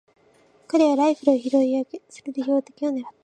彼はライフルを拾い上げ、それで標的をねらった。